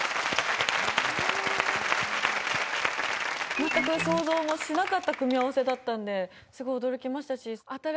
全く想像もしなかった組み合わせだったんですごい驚きましたし。